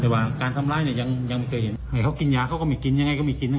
แต่ว่าการทำร้ายเนี่ยยังไม่เคยเห็นให้เขากินยาเขาก็มีกินยังไงก็มีกินให้